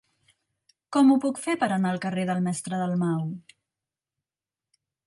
Com ho puc fer per anar al carrer del Mestre Dalmau?